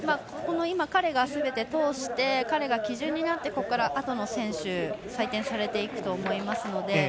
今、彼がすべて通して彼が基準になってここからあとの選手が採点されていくと思いますので。